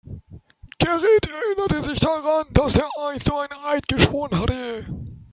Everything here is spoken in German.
Gerrit erinnerte sich daran, dass er einst einen Eid geschworen hatte.